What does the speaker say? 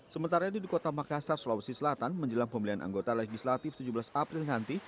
sementara itu di kota makassar sulawesi selatan menjelang pemilihan anggota legislatif tujuh belas april nanti